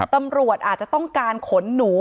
ตำรวจอาจจะต้องการขนหนู